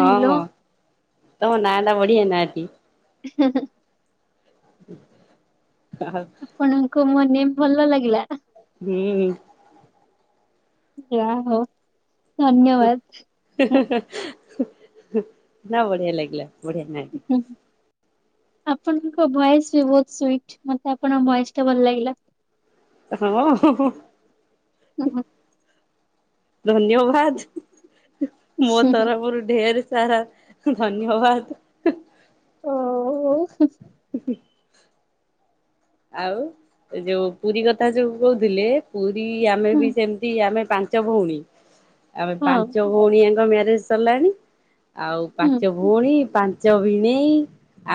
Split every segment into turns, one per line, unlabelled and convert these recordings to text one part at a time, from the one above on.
ହଁ ତମ ନାଟା ବଢିଆ ନାଆଁଟିଏ?
ହଁ ହଁ
ଆଉ
ଆପଣଙ୍କୁ ମୋ ନେମ୍ ଭଲ ଲାଗିଲା।
ହୁଁ।
ଯାହା ହଉ ଧନ୍ୟବାଦ।
ନା ବଢିଆ ଲାଗିଲା ବଢିଆ ନାଆଁ ଟି।
ଆପଣଙ୍କ ଭଏସ୍ ବି ବହୁତ ସୁଇଟ ମତେ ଆପଣଙ୍କ ଭଏସଟା ଭଲ ଲାଗିଲା।
ହଁ।
ହୁଁ ହୁଁ।
ଧନ୍ୟବାଦ ମୋ ତରଫରୁ ଢେର୍ ସାରା ଧନ୍ୟବାଦ।
ଓ ହଉ।
ହୁଁଁ। ଆଉ ଯୋଉ ପୁରୀ କଥା ଯୋଉ କହୁଥିଲେ ପୁରୀ ଆମେ
ହୁଁ,
ବି ସେମିତି ଆମେ ପା ପାଞ୍ଚ ଭଉଣୀ ଆମ
ହଁ
ପାଞ୍ଚ ଭଉଣୀଜାଙ୍କ ମ୍ୟାରେଜ ସରିଲାଣି ଯେ ଆଉ
ହୁଁ
ପାଞ୍ଚ ଭଉଣୀ ପା ପାଞ୍ଚ ଭିଣେଇ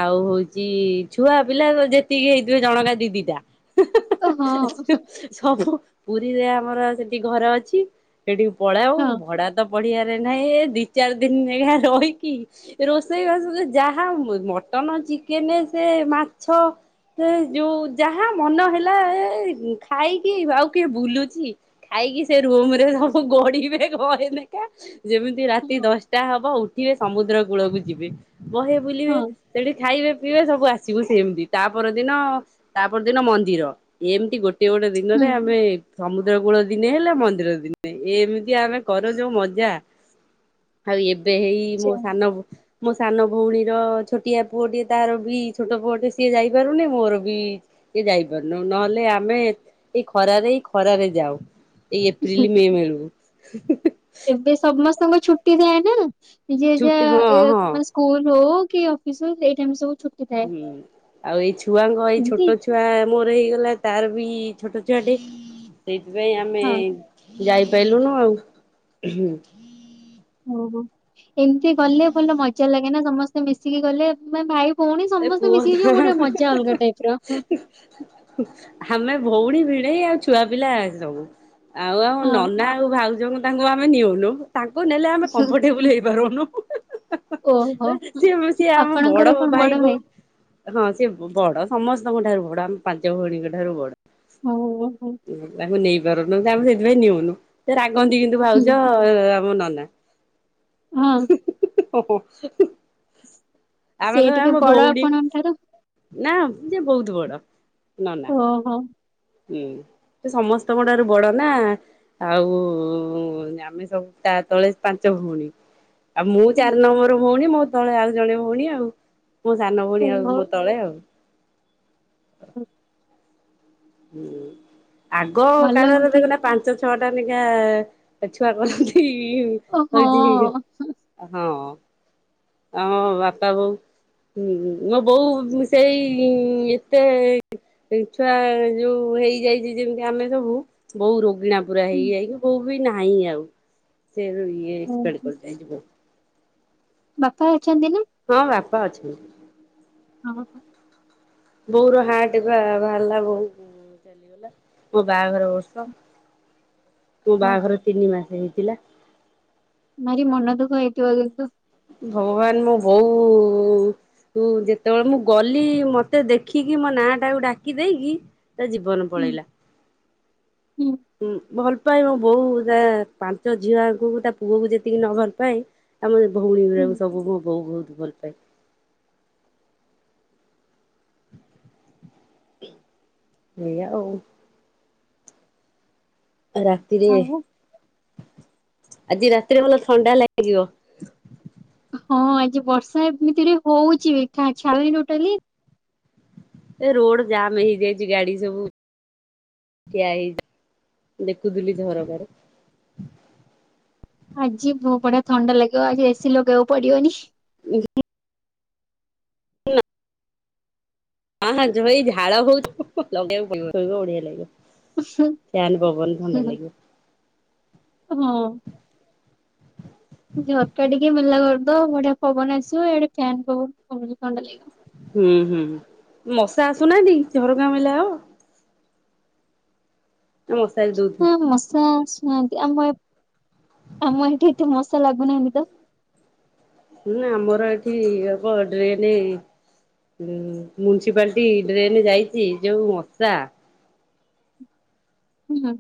ଆଉ ହଉଛି ଛୁଆ ପିଲା ଯେତିକି ହେଇଥିବେ ଜଣକା ଦିଦିଟା। ହୁଁ ହୁଁ
ଓ
ହୁଁ
ହଁ।
ହୁଁ ସବୁ ପୁରୀରେ ଆମର ସେଠି ଘର ଅଛି। ସେଠିକି ପଲାଉ
ହଁ
ଭଡା ତ ପଢିବାରେ ନାହିଁ ଏ ଦି ଚାରି ଦିନ ନେଖା ରହିକି ରୋଷେଇ ବାସ ତ ଯାହା ମଟନ ଚିକେନ ସେ ମାଛ ସେ ଯୋଉ ଯାହା ମନ ହେଲା ଖାଇକି ଆଉ କିଏ ବୁଲୁଚି ଖାଇକି ସେ ରୁମ ରେ ସବୁ ଗଢିବେ ଘଏନେଖା ଯେମିତି ରାତି
ହଁ
ଦଶଟା ହବ ଉଠିବେ ସମୁଦ୍ର କୂଳକୁ ଯିବେ ବହେ ବୁଲିବେ
ହଁ
ସେଠି ଖାଇବେ ପିଇବେ ସବୁ ଆସିବୁ ସେମିତି ତାପର ଦିନ ତାପର ଦିନ ମନ୍ଦିର। ଏମତି ଗୋଟେ ଗୋଟେ
ହୁଁ
ଦିନରେ ଆମେ ସମୁଦ୍ର କୂଳ ଦିନେ ହେଲେ ମନ୍ଦିର ଦିନେ ଏମିତି ଆମେ କରୁ ଯୋଉ ମଜା। ଆଉ ଏବେ ହେଇ ମୋ
ଯା।
ସାନ ମୋ ସାନ ଭଉଣୀର ଛୋଟିଆ ପୁଅ ଟିଏ ତାର ବି ଛୋଟ ପୁଅ ଟେ ସିଏ ଯାଇ ଯାଇପାରୁନି ମୋର ବି କିଏ ଯାଇପାରୁନ ନହେଲେ ଆମେ ଏଇ ଖରାରେ ଖରାରେ ଯାାଉ ଏଇ ଏପ୍ରିଲ ମେ ବେଳକୁ।
ଏବେ ସମସ୍ତଙ୍କ ଛୁଟି ଥାଏ ନା ଯିଏ ଯା
ଛୁଟି ହଁ
ଏ
ହଁ
ମାନେ ସ୍କୁଲ ହଉ କି ଅଫିସ ହଉ ସେଇ ଟାଇମରେ ସବୁ ଛୁଟି। ଥାଏ
ହୁଁ ଆଉ ଏଇ ଛୁଆଙ୍କ ଏଇ
ଏମତି
ଛୋଟ ଛୁଆ ଛୁଆ ମୋର ହେଇଗଲା ତାର ବି ଛୋଟ ଛୁଆଟେ ସେଇଥିପାଇଁ ଆମେ
ହଁ
ଯାଇପାଇଲୁନୁ ଆଉ।
ଓଃ ହୋ ଏମିତି ଗଲେ ଭଲ ମଜା ଲାଗେ ନା ସମସ୍ତେ ମିଶିକି ଗଲେ। ମାନେ ଭାଇ ଭଉଣୀ
ଏ
ସମସ୍ତେ
କୁହନା
ମିଶିକିଯିବ ଗୋଟେ ମଜା ଅଲଗା ଟାଇପ ର ହଁ।
ଆମେ ଭଉଣୀ ଭିଣେଇ ଆଉ ଛୁଆ ପିଲା ସବୁ। ଆଉ ଆମ
ହଁ
ନନା ଆଉ ଭାଉଜଙ୍କୁ ତାଙ୍କୁ ଆମେ ନିଅଉନୋଉ। ତାଙ୍କୁ ନେଲେ ଆମେ କମ୍ଫର୍ଟେବୁଲ ହେଇପାରୁନୁ
ହଁ ଓହୋ
ସ ସିଏ ଆମ ବଡ
ଆପଣଙ୍କର କଣ
ଭାଇ
ବଡ
ଭଉଣୀ ହଁ ସେ ବଡ ସମସ୍ତଙ୍କ ଠାରୁ ବଡ ଆମ ପାଞ୍ଚ ଭଉଣୀଙ୍କ ଠାରୁ ବଡ।
ହଉ ହୁଁ।
ତାଙ୍କୁ ନେଇ ପାରୁନୁ ଆମେ ସେଥିପାଇଁ ନିଅଉନୁ ସେ ରାଗନ୍ତି କିନ୍ତୁ ଭାଉଜ ଆମ ନନା।
ହଁ।
ଓଃ ହୋ।
ସେ ଟିକେ ବଡ ଆପଣଙ୍କ ଠାରୁ?
ନାଁ ସିଏ ବହୁତ ବଡ ନନା।
ଓଃ ହୋ।
ହୁଁ ସେ ସମସ୍ତଙ୍କ ଠାରୁ ବଡ ନା। ଆଉ ଆମେ ସବୁ ତା ତଳେ ପାଞ୍ଚ ଭଉଣୀ। ଆଉ ମୁଁ
ହୁଁ,
ଚାରି ନମ୍ବର ଭଉଣୀ ମୋ ତଳେ ଆଉ ଜଣେ ଭଉଣୀ ଆଉ। ମୋ ସାନ ଭଉଣୀ ଆଉ
ଓହୋ
ମୋ ତଳେ ଆଉ।
ହୁଁ।
ହୁଁ ଆଗ
ଭଲ
କାଳରେ
ଏମିତି
ଦେଖୁନା ପାଞ୍ଚ ପାଞ୍ଚ ଛଅ ଟା ନେଖା ଛୁଆ କରନ୍ତି
ଓ ହଁ
ହଉଚି ହଁ। ହଁ ବାପା ବୋଉ ହୁଁ ମୋ ବୋଉ ସେଇ ଏତେ ଛୁଆ ଯୋଉ ହେଇଯାଇଚି ଯେମିତି ଆମେ ସବୁ ବୋଉ ରୋଗିଣା ପୁରା
ହୁଁ,
ହେଇଯାଇକି ବୋଉ ବି ନାହିଁ ଆଉ। ସେ ଏବେ ଏକ୍ସପାୟାର୍ଡ
ଓହୋ
କରି ଯାଇଚି ବୋଉ।
ବାପା ଅଛନ୍ତି ନା?
ହଁ ବାପା ଅଛନ୍ତି।
[unintelligible]
ବୋଉର ହାର୍ଟ ବା ବାହାରିଲା, ବୋଉ ମୋ ବାହାଘର ବର୍ଷ, ମୋ
ହଁ
ବାହାଘର ତିନି ମାସ ହେଇଥିଲା।
ଭାରି ମାର ମନ ଦୁଃଖ ହେଇଥିବ କିନ୍ତୁ।
ଭଗବାନ୍ ମୋ ବୋଉ କୁ ଯେତବଳେ ମୁଁ ଗଲି ମତେ ଦେଖିକି ମୋ ନାଁ ଟାକୁ ଡାକି ଦେଇକି ତା ଜୀବନ
ହୁଁ
ପଳେଇଲା।
ହୁଁ।
ଭଲ୍ ପାଏ ମୋ ବୋଉ ତା ପାଞ୍ଚ ଝିଅଙ୍କୁ ତା ପୁଅକୁ ଯେତିକି ନ ଭଲ ପାଏ ଆମର ଭଉଣୀ
ହୁଁ।
ଗୁରାକୁ ସବୁ ମୋ ବୋଉ ବହୁତ୍ ଭଲ୍ ପାଏ। ଏୟା ଆଉ। ରାତିରେ,
ଆଉ
ଆଜି ରାତିରେ ଭଲ ଥଣ୍ଡା ଲାଗିଵ।
ହଁ ଆଜି ବର୍ଷା ଏମିତିରେ ହଉଚି ବି ଛାୁଡୁନି ଟୋଟାଲି।
ଏ ରୋଡ ଜାମ୍ ହେଇଯାଇଚି ଗାଡି ସବୁ ଠିଆ ହେଇ, ଦେଖୁଥିଲି ଝରକା ରେ।
ଆଜି ବଢିଆ ଥଣ୍ଡା ଲାଗିବ, ଆଜି ଏସି ଲଗେଇବାକୁ ପଡିବନି।
[unintelligible] [inaudible] ବଢିଆ ଲାଗିବ। ଫ୍ୟାନ ପବନ ଥଣ୍ଡା ଲାଗିବ
ଉହୁଁ-ହୁଁ-ହୁଁ-ହଁ। ଝରକା ଟିକେ ମେଲା କରିଦବ ବଢିଆ ପବନ୍ ଆସିବ, ଇଆଡେ ଫ୍ୟାନ [unintelligible] ଥଣ୍ଡା ଲାଗିବ।
ହୁଁ-ହୁଁ ମଶା ଆସୁନାହାନ୍ତି, ଝରକା ମେଲା ହବ। ମଶାରି ଦଉଥିବେ
ହଁ ମଶା ଆସୁନାହାନ୍ତି, ଆମ ଏ ଆମ ଏଠି ଏତେ ମଶା ଲାଗୁନାହାନ୍ତି ତ।
ହୁଁ ଆମର ଏଠି ହବ ଡ୍ରେନେ ମୁନ୍ସିପାଲ୍ଟି ଡ୍ରେନ୍ ଯାଇଚି ଯୋଉ ମଶା।
ହୁଁ।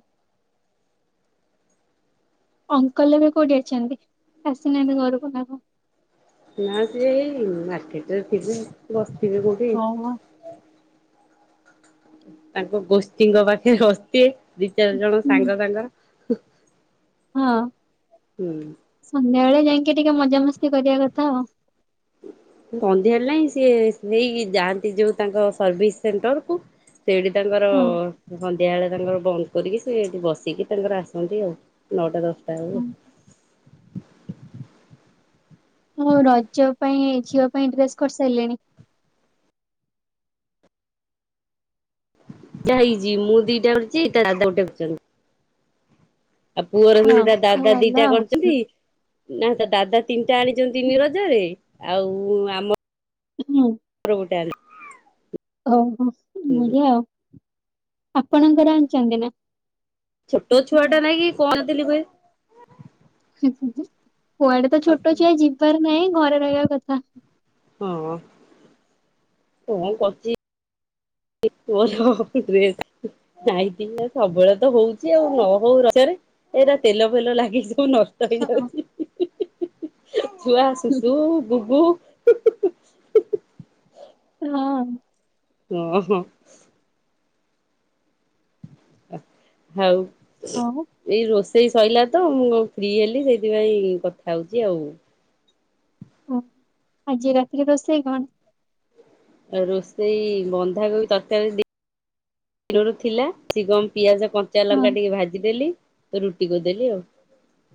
ଅଙ୍କଲ୍ ଏବେ କୋଉଠି ଅଛନ୍ତି, ଆସିନାହାନ୍ତି ଘରକୁ [unintelligible]
ନା ସିଏ ଏଇ ମାର୍କେଟରେ ଥିବେ, ବସିଥିବେ କୋଉଠି।
ହଁ ବା।
ତାଙ୍କ ଗୋଷ୍ଠୀଙ୍କ ପାଖେରେ ବସିଥିବେ, ଦି ଚାରି ଜଣ
ହୁଁ
ସାଙ୍ଗ ତାଙ୍କର।
ହଁ
ହୁଁ
ସନ୍ଧ୍ୟାବେଳେ ଯାଇଁକି ଟିକେ ମଜାମସ୍ତି କରିବା କଥା ଆଉ।
ହୁଁ ସନ୍ଧ୍ୟା [unintelligible] ସିଏ ସେଇ ଯାଆନ୍ତି ଯୋଉ ତାଙ୍କ ସର୍ଭିସ ସେଣ୍ଟର୍ କୁ। ସେଇଠି ତାଙ୍କର
ହଁ।
ସନ୍ଧ୍ୟାବଳେ ତାଙ୍କର ବନ୍ଦ କରିକି ସେଠି ବସିକି ତାଙ୍କର ଆସନ୍ତି ଆଉ ନଅଟା ଦଶଟା ବେଳୁକୁ ଆଉ।
ଆଉ ରଜ ପାଇଁ ଝିଅ ପାଇଁ ଡ୍ରେସ୍ କରିସାଇଲେଣି?
[unintelligible] ହେଇଚି, ମୁଁ ଦିଟା କରଚି ତା ଦାଦା ଗୋଟେ କରିଚନ୍ତି। ଆଉ ପୁଅର
ହଁ
ବି ତା
ଆଉ
ଦାଦା
ଭଲ
ଦିଟା
ଆଉ।
କରିଚନ୍ତି। ନା ତା ଦାଦା ତିନିଟା ଆଣିଚନ୍ତି ତିନି ରଜରେ, ଆଉ ଆମ
[inaudible]
ର ଗୋଟେ [unintelligible]
ଓହୋ ବଢଆ ଆଉ, ଆପଣଙ୍କର ଆଣିଚନ୍ତି ନା?
ଛୋଟ ଛୁଆ ଟା ନାଇଁ କି କଣ [unintelligible]
କୁଆଡେ ତ ଛୋଟ ଛୁଆ ଯିବାର ନାହିଁ, ଘରେ ରହିବା କଥା।
ହଁ କଣ କରଚି ମୋର ଡ୍ରେସ୍ ନାଇଟି ସବୁବେଳେ ତ ହଉଚି ଆଉ, ନ ହଉ ରଜରେ। ଏଇଟା ତେଲ ଫେଲ ଲାଗି ସିବୁ ନଷ୍ଟ
ହଁ
ହେଇଯାଉଚି। ଛୁଆ ଶୁଶୁ ଗୁଗୁ
ହଁ।
ଓହୋ। ହୋଉ।
ହଉ।
ଏଇ ରୋଷେଇ ସରିଲା ତ ମୁଁ ଫ୍ରି ହେଲି ସେଇଥିପାଇଁ କଥା ହୋଉଚି ଆଉ।
ଓ ଆଜି ରାତିରେ ରୋଷେଇ କଣ?
ଆଉ ରୋଷେଇ ବନ୍ଧାକୋବି ତରକାରୀ ଥିଲା ସିଏ କଣ ପିଆଜ
ହଁ
କଞ୍ଚାଲଙ୍କା ଟିକେ ଭାଜିଦେଲି ତ ରୁଟି କରିଦେଲି ଆଉ।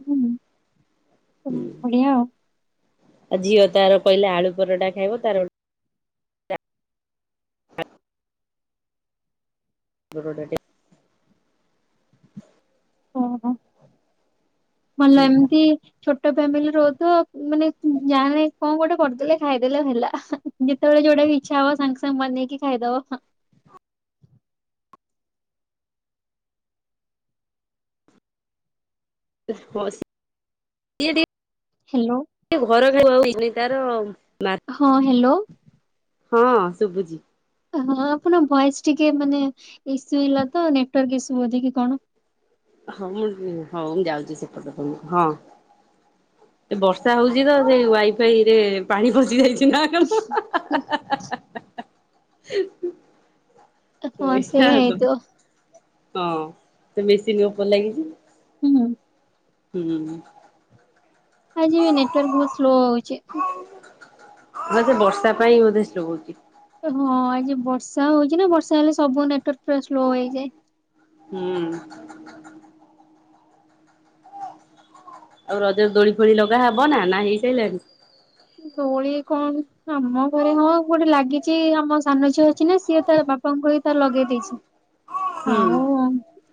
ହୁଁ ତ ବଢିଆ ଆଉ।
ଆଉ ଝିଅ ତାର କହିଲା ଆଳୁ ପରଟା ଖାଇବ ତାର ଗୋ ପରଟା ଟେ
ଓହୋ ମାନେ ଏମିତି ଛୋଟ ଫ୍ୟାମିଲି ରହୁଥିବ ମାନେ ଯାହାବି କଣ ଗୋଟେ କରିଦେଲେ ଖାଇଦେଲେ ହେଲା। ଯେତେବେଳେ ଯୋଉଟା ବି ଇଚ୍ଛା ହବ ସାଙ୍ଗ ସାଙ୍ଗ ବନେଇକି ଖାଇଦବ।
[unintelligible]
ହ୍ୟାଲୋ।
ଏ ଘର ଖାଇବା ତାର [unintelligible] [inaudible]
ହଁ ହ୍ୟାଲୋ।
ହଁ ଶୁବୁଚି।
ହଁ ଆପଣଙ୍କ ଭଏସ୍ ଟିକେ ମାନେ ଇସୁ ହେଲା ତ ନେଟୱାର୍କ ଇସୁ ବୋଧେ କି କଣ?
ହଁ ମୁଁ ହୋଉ ମୁଁ ଯାଉଚି ସେପଟକୁ ହଁ। ଏ ବର୍ଷା ହୋଉଚି ତ ସେଇ ୱାଇ ଫାଇରେ ପାଣି ଫସିି ଯାଇଚି ନା କଣ। [unintelligible]
ହଁ
ଏଇାଆ
ସେଇଆ
ଆଉ
ହେଇଥିବ
କଣ ହଁ ତ ମେସିନ ଉପରେ ଲାଗିଚି।
ହୁଁ।
ହୁଁ।
ଆଜି ବି ନେଟୱାର ବୋହୁତ ସ୍ଲୋ ହୋଉଚି ଉଁହୁଁ।
ହଁ ସେ ବର୍ଷା ପାଇଁ ବୋଧେ ସ୍ଲୋ ହୋଉଚି।
ହଁ ଆଜି ବର୍ଷା ହୋଉଚି ନା ବର୍ଷା ହେଲେ ସବୁ ନେଟୱାର୍କ ପୁରା ସ୍ଲୋ ହେଇଯାଏ।
ହୁଁ। ଆଉ ରଜରେ ଦୋଳି ଫୋଳି ଲଗା ହବ ନା ହେଇସାଇଲାଣି।
ଦୋଳି କଣ ଆମ ଘରେ ହଁ ଗୋଟେ ଲାଗି ଚି ଆମ ସାନ ଝିଅ ଅଛି ନା ସିଏ ତାର ବାପାଙ୍କୁ କହିକି ତାର ଲଗେଇ ଦେଇଚି।
ହୁଁ।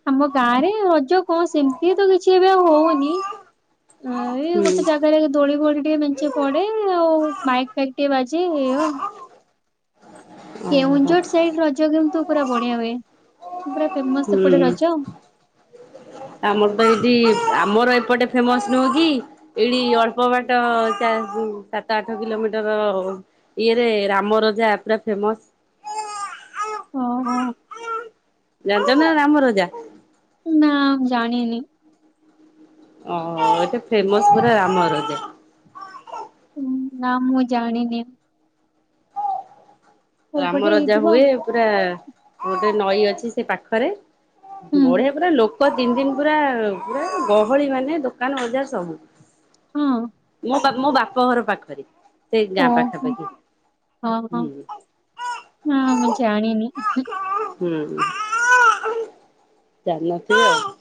ଆମ ଗାଁରେ ରଜ କଣ ସେମିତି ତ କିଛି ଏବେ ଆଉ ହୋଉନି। ହଁ ଏଇ
ହୁଁ।
ଗୋଟେ ଜାଗାରେ ଦୋଳି ଫୋଳି ଟିକେ ମେଞ୍ଚେ ପଡେ ଆଉ ମାଇକ୍ ଫ୍ୟାଇକ୍ ଟିକେ ବାଜେ ଏ ଆଉ
ଓହୋ।
କେଉଁଝର ସାଇଡ୍ ରଜ କିନ୍ତୁ ପୁରା ବଢିଆ ହୁଏ। ପୁରା ଫେମସ୍
ହୁଁ
ସେପଟେ ରଜ ଆଉ।
ଆମର ତ ଏଇଠି ଆମରେ ଏପଟେ ଫେମସ ନୁହଁ କି। ଏଇଠି ଅଳ୍ପ ବାଟ ଚା ରି ସାତ ଆଠ କିଲୋମିଟର ହବ। ଇଏରେ ରାମରଜା ପୁରା ଫେମସ୍।
ଓହୋ।
ଜାଣିଚ ନା ରାମରଜା?
ନାଁ ଜାଣିନି।
ଓ ଏଟା ଫେମସ ପୁରା ରାମରଜା।
ହୁଁ ନା ମୁଁ ଜାଣିନି। କୋଉ
ରାମ
ପଟେ
ରଜା
ହେଇଥିବ
ହୁଏ ପୁରା ଗୋଟେ ନଈ ଅଛି ସେ ପାଖରେ।
ହୁଁ
ବଢିଆ ପୁରା ଲୋକ ତିନ ଦିନ ପୁରା ପୁରା ଗହଳି ମାନେ ଦୋକାନ ବଜାର ସବୁ
ହଁ।
ମୋ ମୋ ବାପ ଘର ପାଖରେ ସେ ଗାଁ
ଓହୋ
ପାଖାପାଖି।
ହଁ ହଁ
ହୁଁ।
ନା ମୁଁ ଜାଣିନି।
ହୁଁ ଜାଣିନଥିବ ଆଉ।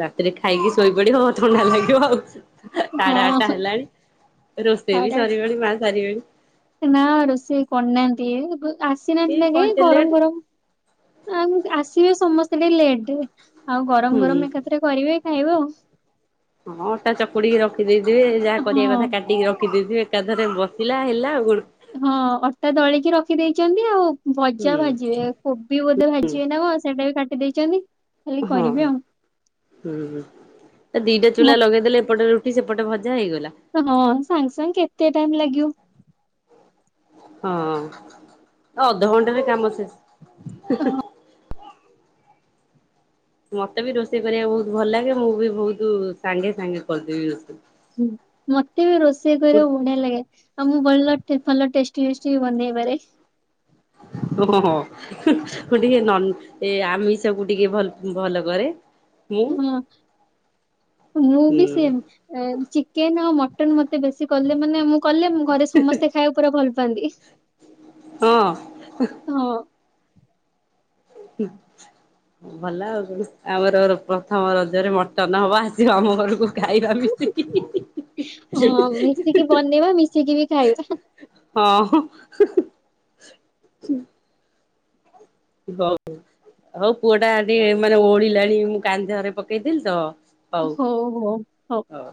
ରାତିରେ ଖାଇକି ଶୋଇପଡିବ ଥଣ୍ଡା ଲାଗିବ ଆଉ।
ହଁ
ସାଢେ ଆଠଟା ହେଲାଣି ରୋଷେଇ ବି
ସାଢେ ଆଠ
ସରିବଣି ମା ସାରିବେଣି।
ନା ରୋଷେଇ କରିନାହାନ୍ତି
ଏ
ଆସିନାହାନ୍ତି ନା
କଣ
କହି
ଏତେ ଲେଟ୍।
ଗରମ ଗରମ ଆ ଆସିବେ ସମସ୍ତେ ଟିକେ ଲେଟରେ, ଆଉ
ହୁଁ
ଗରମ ଗରମ ଏକାଥରେ କରିବେ ଖାଇବେ ଆଉ
ହଁ ଅଟା ଚକୁଟିକି ରଖିଦେଇଥିବେ ଯାହା କରିବା
ହଁ
କଥା କାଟିକି ରଖିଦେଇଥିବେ ଏକାଥରେ ବସିଲା ହେଲା ଆଉ କଣ।
ହଁ ଅଟା ଦଳିକି ରଖିଦେଇଛନ୍ତି ଆଉ
ହୁଁ
ଭଜା ଭାଜିବେ। କୋବି ବୋଧେ ଭାଜିିବେ ନା କଣ ସେଇଟା ବି କାଟି ଦେଇଛନ୍ତି। ଖାଲି
ହଁ
କରିବେ ଆଉ
ହୁଁ ଦିଟା ଚୁଲା
ମତେ
ଲଗେଇଦେଲେ ଏପଟରେ ରୁ ଟି ସେପଟେ ଭଜା ହେଇଗଲା।
ହଁ ସାଙ୍ଗେ ସାଙ୍ଗେ କେତେ ଟାଇମ ଲାଗିବ।
ହଁ ଅଧଘଣ୍ଟରେ କାମ ଶେଷ। ମତେ ବି ରୋଷେଇ କରିବାକୁ ବହୁତ ଭଲ ଲାଗେ ମୁଁ ବି ବହୁତ ସାଙ୍ଗେ ସାଙ୍ଗେ କରିଦେବି ରୋଷେଇ।
ହୁଁ ମତେ ବି ରୋଷେଇ କରିବାକୁ ବଢିଆ ଲାଗେ। ଆଉ ମୁଁ ଭଲ ଟେ ଭଲ ଟେଷ୍ଟି ଟେଷ୍ଟି ବି ବନେଇପାରେ।
ଓ ହୋ ହୋ। ହୁଁ ମୁ ଟିକେ ନ ଏ ଆମିଷକୁ ଟିକେ ଭ ଭଲ କରେ। ମୁଁ
ହଁ ମୁଁ
ହୁଁ
ବି ସେମ। ଏ ଚିକେନ ଆଉ ମଟନ ମତେ ବେଶୀ କଲେ ମାନେ ମୁଁ କଲେ ମୁଁ ଘରେ ସମସ୍ତେ ଖାଇବାକୁ ପୁରା ଭଲ ପାଆନ୍ତି।
ହଁ
ହଁ
ହୁଁ ଭଲ ଆଉ ଆମର ପ୍ରଥମ ରଜରେ ମଟନ ହବ ଆସିବ ଆମ ଘରକୁ ଖାଇବା ବି। ହି ହି ହି
ହଁ ମିଶିକି ବନେଇବା ମିଶିକି ବି ଖାଇବା।
ହଁ। ହଉ ହଉ ପୁଅଟା ଟିକେ ମାନେ ଓହଳିଲାଣି ମୁଁ କାନ୍ଧରେ ପକେଇଥିଲି ତ।
ହଉ ହଉ।
ହଉ।